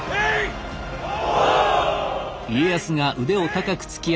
おう！